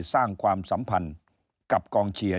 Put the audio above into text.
ความสัมพันธ์กับกองเชียร์